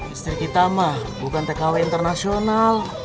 istri kita mah bukan tkw internasional